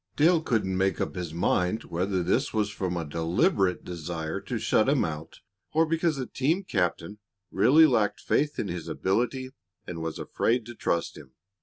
Dale couldn't quite make up his mind whether this was from a deliberate desire to shut him out, or because the team captain really lacked faith in his ability and was afraid to trust him.